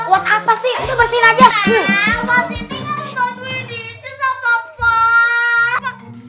wah buat si ting kamu bantuin di situ gak apa apa